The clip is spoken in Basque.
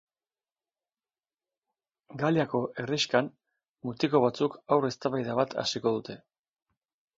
Galiako herrixkan, mutiko batzuk haur eztabaida bat hasiko dute.